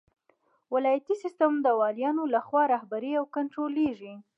ولایتي سیسټم د والیانو لخوا رهبري او کنټرولیږي.